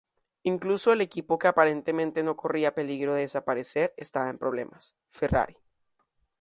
Incluso el equipo que aparentemente no corría peligro de desaparecer estaba en problemas: Ferrari.